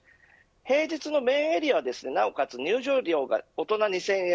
平日のメーンエリアは、なおかつ入場料が大人２０００円